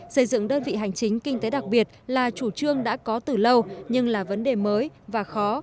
xây dựng đơn vị hành chính kinh tế đặc biệt là chủ trương đã có từ lâu nhưng là vấn đề mới và khó